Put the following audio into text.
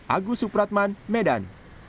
agus supratman medan